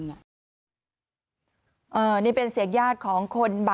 เนี่ยได้เป็นเสียงญาติของคนสายคมครับ